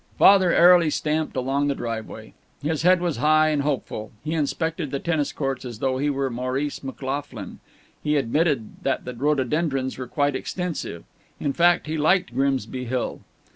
Father airily stamped along the driveway. His head was high and hopeful. He inspected the tennis courts as though he were Maurice McLoughlin. He admitted that the rhododendrons were quite extensive. In fact, he liked Grimsby Hill.